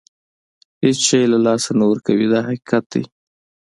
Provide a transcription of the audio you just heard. هېڅ شی له لاسه نه ورکوي دا حقیقت دی.